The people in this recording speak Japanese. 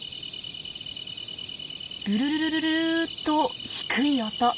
ルルルルルルと低い音。